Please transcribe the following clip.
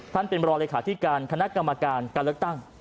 เป็นรองเลขาธิการคณะกรรมการการเลือกตั้ง